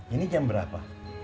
ini jam berapa